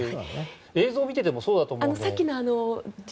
映像を見ていてもそうだと思いますけど。